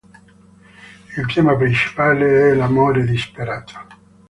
Il tema principale è l'amore disperato.